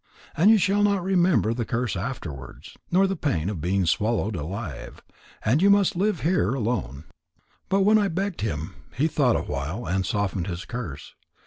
And you shall not remember the curse afterwards, nor the pain of being swallowed alive. And you must live here alone.' "But when I begged him, he thought awhile and softened his curse.